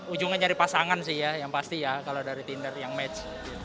ujungnya nyari pasangan sih ya yang pasti ya kalau dari tinder yang match